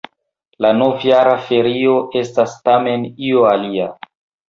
La novjara ferio estas tamen io alia.